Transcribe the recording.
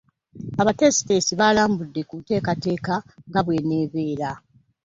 Abateesiteesi balambuludde ku nteekateeka nga bw'enaabeera